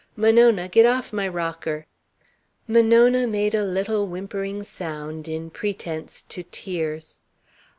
Monona, get off my rocker." Monona made a little whimpering sound, in pretence to tears.